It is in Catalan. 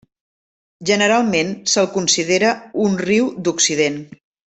Generalment se'l considera un riu d'Occident.